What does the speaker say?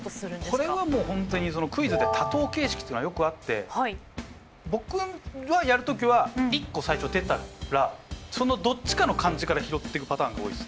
これはもう本当にクイズで多答形式ってのはよくあって僕はやる時は１個最初出たらそのどっちかの漢字から拾ってくパターンが多いですね。